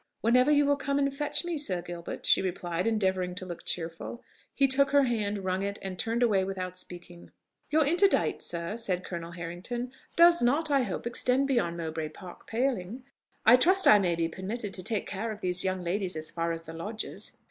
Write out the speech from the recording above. "Whenever you will come and fetch me, Sir Gilbert," she replied, endeavouring to look cheerful. He took her hand, wrung it, and turned away without speaking. "Your interdict, sir," said Colonel Harrington, "does not, I hope, extend beyond Mowbray Park paling? I trust I may be permitted to take care of these young ladies as far as the lodges?"